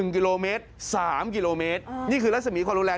๑กิโลเมตร๓กิโลเมตรนี่คือรัศมีความรุนแรง